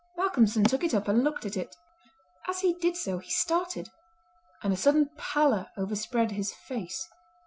Malcolmson took it up and looked at it. As he did so he started, and a sudden pallor overspread his face.